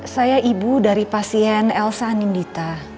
saya ibu dari pasien elsa nindita